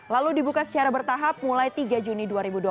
lalu dibuka secara bertahap mulai tiga juni dua ribu dua puluh